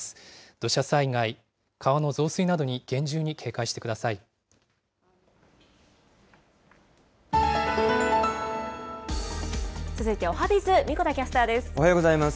土砂災害、川の増水などに厳重に続いておはＢｉｚ、神子田キおはようございます。